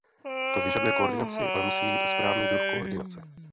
To vyžaduje koordinaci, ale musí jít o správný druh koordinace.